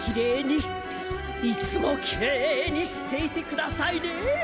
いつもきれいにしていてくださいね。